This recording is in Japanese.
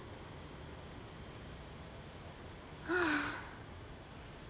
はあ。